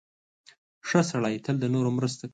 • ښه سړی تل د نورو مرسته کوي.